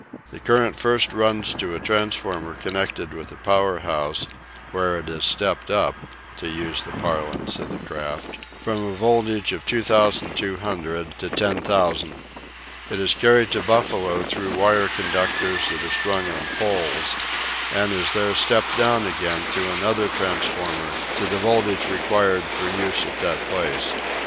The current first runs to a transformer connected with the power house, where it is "stepped up" (to use the parlance of the craft) from a voltage of 2200 to 10,000. It is carried to Buffalo through wire conductors that are strung on poles, and is there "stepped down" again through another transformer to the voltage required for use at that place.